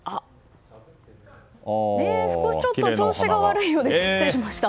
ちょっと調子が悪いようで失礼しました。